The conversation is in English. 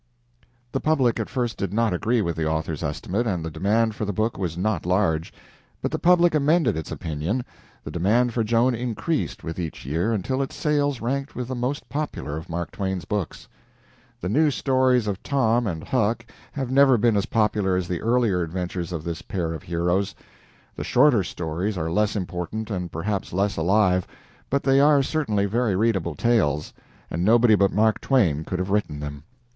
The public at first did not agree with the author's estimate, and the demand for the book was not large. But the public amended its opinion. The demand for "Joan" increased with each year until its sales ranked with the most popular of Mark Twain's books. The new stories of Tom and Huck have never been as popular as the earlier adventures of this pair of heroes. The shorter stories are less important and perhaps less alive, but they are certainly very readable tales, and nobody but Mark Twain could have written them.